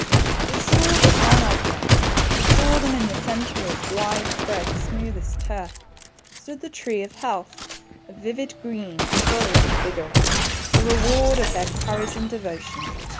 They saw but one object. Before them, in the centre of wide spread, smoothest turf, stood 'the tree of hqalth, of vivid green, full and vigorous, the re ward of their courage and devotion.